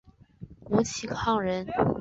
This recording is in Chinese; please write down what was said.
吴其沆人。